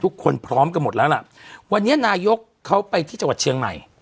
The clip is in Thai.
พร้อมกันหมดแล้วล่ะวันนี้นายกเขาไปที่จังหวัดเชียงใหม่